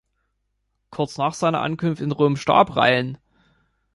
Kurz nach seiner Ankunft in Rom starb Ryan.